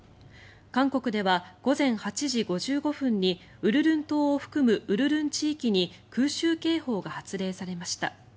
韓国では午前８時５５分に鬱陵島を含む鬱陵地域に空襲警報が発令されました。